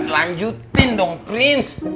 lanjutin dong prins